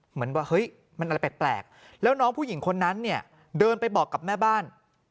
เหมือนว่าเฮ้ยมันอะไรแปลกแล้วน้องผู้หญิงคนนั้นเนี่ยเดินไปบอกกับแม่บ้าน